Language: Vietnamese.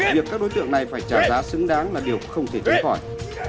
việc các đối tượng này phải trả giá xứng đáng là điều không thể tránh khỏi